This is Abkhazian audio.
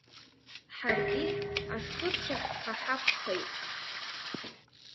Ҳаргьы ашхырцәаӷьқәа ҳакәхеит.